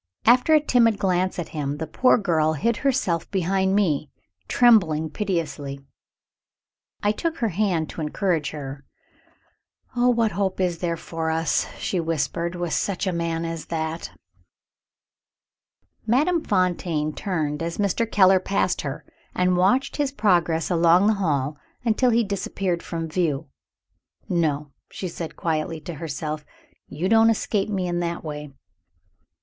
After one timid glance at him, the poor girl hid herself behind me, trembling piteously. I took her hand to encourage her. "Oh, what hope is there for us," she whispered, "with such a man as that?" Madame Fontaine turned as Mr. Keller passed her, and watched his progress along the hall until he disappeared from view. "No," she said quietly to herself, "you don't escape me in that way."